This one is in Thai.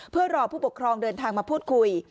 เพื่อรอผู้ปกครองเดินทางมาพูดคุย